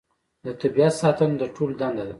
د طبیعت ساتنه د ټولو دنده ده